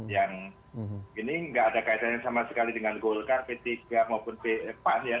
yang ini nggak ada kaitannya sama sekali dengan golkar p tiga maupun pan ya